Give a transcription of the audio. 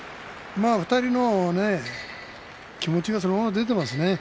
２人の気持ちがそのまま出ていますね。